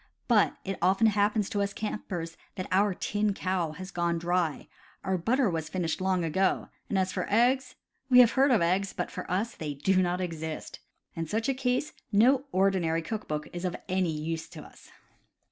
But it often happens to us campers that our "tin cow'" has gone dry, our butter was finished long ago, and as for eggs — we have heard of eggs, but for us they do not exist. In such case, no ordinary cook book is of any use to us.